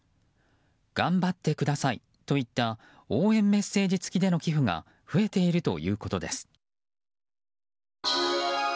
頑張ってくださいといった応援メッセージ付きでの寄付が増えているということです。